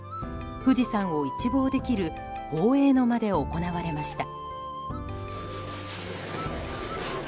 富士山を一望できる宝永の間で行われました。